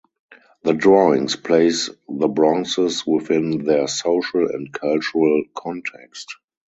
The drawings place the bronzes within their social and cultural context.